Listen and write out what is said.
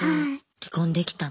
離婚できたの？